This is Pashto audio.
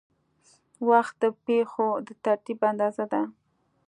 وخت د پېښو د ترتیب اندازه ده.